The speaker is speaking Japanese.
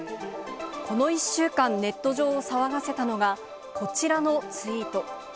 この１週間ネット上を騒がせたのが、こちらのツイート。